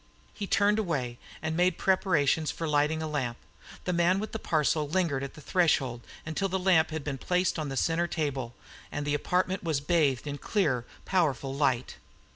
He turned away, and made preparations for lighting a lamp. The man with the parcel lingered at the threshold until the lamp had been placed on the centre table, and the apartment was bathed in a clear, powerful light.